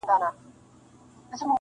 • پر شب پرستو بدلګېږم ځکه,